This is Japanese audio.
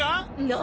何？